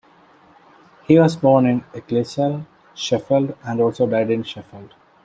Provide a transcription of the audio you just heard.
He was born in Ecclesall, Sheffield, and also died in Sheffield.